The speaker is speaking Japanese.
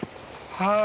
はい。